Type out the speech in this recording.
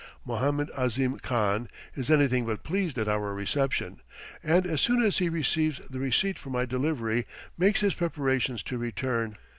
Mohammed Ahzim Khan is anything but pleased at our reception, and as soon as he receives the receipt for my delivery makes his preparations to return.